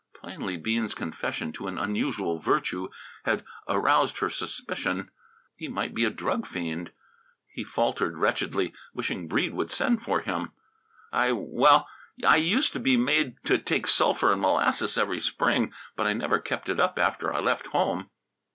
Plainly Bean's confession to an unusual virtue had aroused her suspicion. He might be a drug fiend! He faltered wretchedly, wishing Breede would send for him. "I well, I used to be made to take sulphur and molasses every spring ... but I never kept it up after I left home."